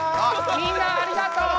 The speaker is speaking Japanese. みんなありがとう！